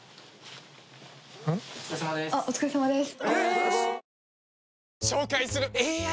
お疲れさまです。